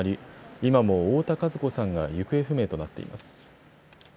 今も太田和子さんが行方不明となっています。